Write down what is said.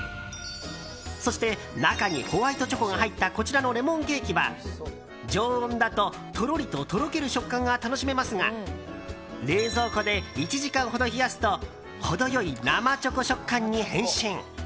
そして中にホワイトチョコが入ったこちらのレモンケーキは常温だと、とろりととろける食感が楽しめますが冷蔵庫で１時間ほど冷やすと程良い生チョコ食感に変身！